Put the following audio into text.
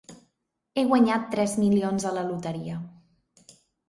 He guanyat tres milions a la loteria.